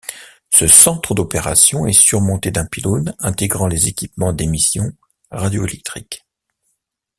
Ce centre d'opérations est surmonté d'un pylône intégrant les équipements d'émission radio-électriques.